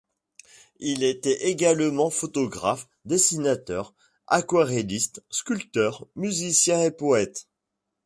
Il était également photographe, dessinateur, aquarelliste, sculpteur, musicien et poète.